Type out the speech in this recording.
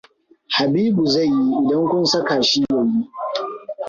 Habibu zai yi idan kun saka shi ya yi.